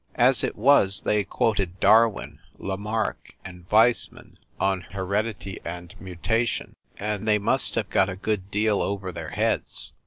As it was, they quoted Darwin, Lamarcke and Weissman on heredity and mutation, and they must have got a good deal over their heads.